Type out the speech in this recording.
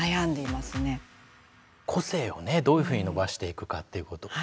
個性をねどういうふうに伸ばしていくかっていうこと。